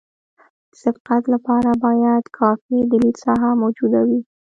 د سبقت لپاره باید کافي د لید ساحه موجوده وي